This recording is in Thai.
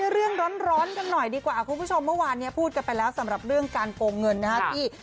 เรื่องร้อนกันหน่อยดีกว่าคุณผู้ชมเมื่อวานเนี่ยพูดกันไปแล้วสำหรับเรื่องการโกงเงินนะครับที่